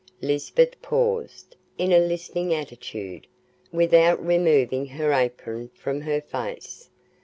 Lisbeth paused, in a listening attitude, without removing her apron from her face.